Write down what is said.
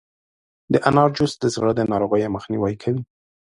د انار جوس د زړه د ناروغیو مخنیوی کوي.